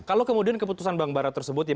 kalau kemudian keputusan bang bara tersebut ya